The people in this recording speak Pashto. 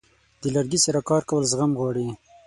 د لرګي سره کار کول زغم غواړي.